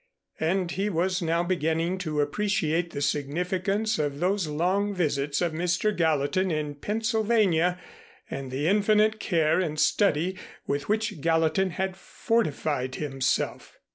And he was now beginning to appreciate the significance of those long visits of Mr. Gallatin in Pennsylvania, and the infinite care and study with which Gallatin had fortified himself.